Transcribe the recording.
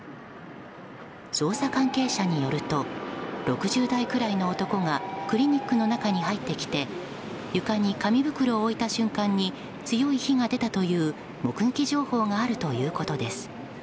捜査関係者によると６０代くらいの男がクリニックの中に入ってきて床に紙袋を置いた瞬間に強い火が出たという目撃情報があるということです。